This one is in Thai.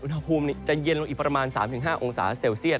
อุณหภูมิจะเย็นลงอีกประมาณ๓๕องศาเซลเซียต